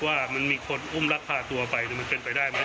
ว่ามันมีคนอุ้มรักพาตัวไปมันเป็นไปได้ไหม